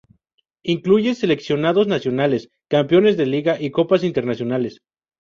Incluye seleccionados nacionales, campeones de liga y copas internacionales